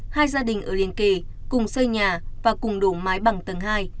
hai gia đình ở liên kề cùng xây nhà và cùng đổ mái bằng tầng hai